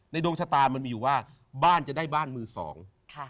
ดวงชะตามันมีอยู่ว่าบ้านจะได้บ้านมือสองค่ะ